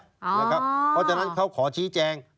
เพราะฉะนั้นเขาขอชี้แจง